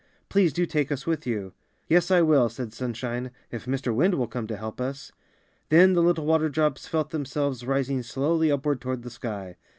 ^Tlease do take us with you." ^^Yes, I Will," said Sunshine, ^^if Mr. Wind will come to help us." Then the little water drops felt themselves rising slowly upward toward the sky.